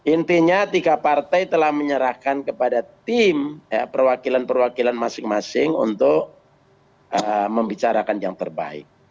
intinya tiga partai telah menyerahkan kepada tim perwakilan perwakilan masing masing untuk membicarakan yang terbaik